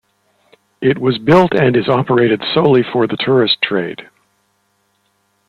It was built and is operated solely for the tourist trade.